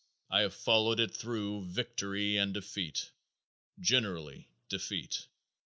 I have followed it through victory and defeat, generally defeat.